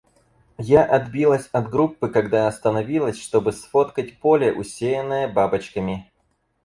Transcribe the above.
Я отбилась от группы, когда остановилась, чтобы сфоткать поле, усеянное бабочками.